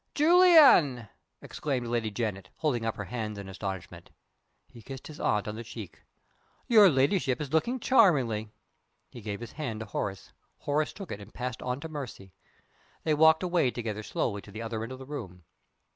"Julian!" exclaimed Lady Janet, holding up her hands in astonishment. He kissed his aunt on the cheek. "Your ladyship is looking charmingly." He gave his hand to Horace. Horace took it, and passed on to Mercy. They walked away together slowly to the other end of the room.